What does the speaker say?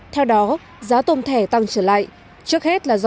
theo đó giá tồn thể tăng trở lại